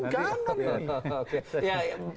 nggak akan ini